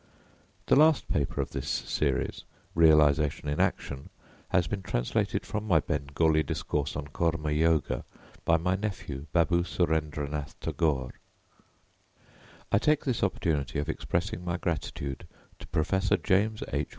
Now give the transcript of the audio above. The last paper of this series, "Realisation in Action," has been translated from my Bengali discourse on "Karma yoga" by my nephew, Babu Surendra Nath Tagore. I take this opportunity of expressing my gratitude to Professor James H.